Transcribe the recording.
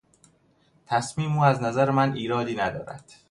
تصمیم او از نظر من ایرادی ندارد.